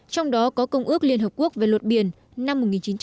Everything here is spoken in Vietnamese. trong đó có công ước liên hợp quốc về luật biển năm một nghìn chín trăm tám mươi hai